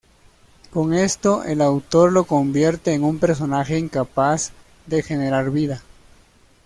Con esto, el autor lo convierte en un personaje incapaz de generar vida.